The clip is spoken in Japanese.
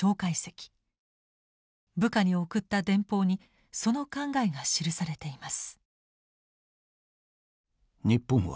部下に送った電報にその考えが記されています。